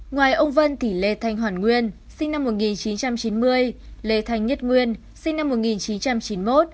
ngoài ông vân thì lê thanh hoàn nguyên sinh năm một nghìn chín trăm chín mươi lê thanh nhất nguyên sinh năm một nghìn chín trăm chín mươi một